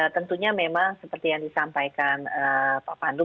tentunya memang seperti yang disampaikan pak pandu